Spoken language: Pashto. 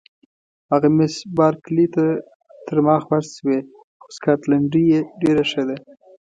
هغه مس بارکلي ته تر ما خوښ شوې، خو سکاټلنډۍ یې ډېره ښه ده.